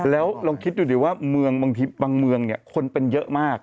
แล้วลองคิดดูดิว่าบางเมืองเนี่ยคนเป็นเยอะมาก